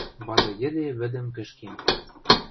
– Вады йӹде вӹдӹм кӹшкем...